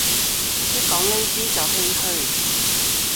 一講呢啲就唏噓